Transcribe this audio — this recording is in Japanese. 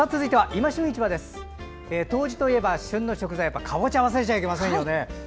冬至といえば旬の食材はかぼちゃを忘れちゃいけませんね。